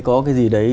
có cái gì đấy